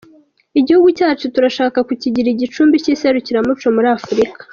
“Igihugu cyacu turashaka kukigira igicumbi ry’iserukiramuco muri Afurika”